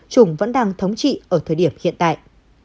trùng vẫn đang thống trị ở thời điểm hiện tại